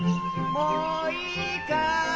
もういいかい？